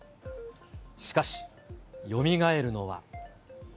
しかし、よみがえるのは。